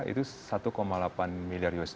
itu satu delapan miliar usd